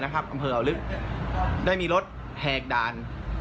อำเภออ่าวลึกได้มีรถแหกด่าน